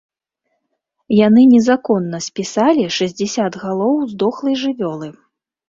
Яны незаконна спісалі шэсцьдзесят галоў здохлай жывёлы.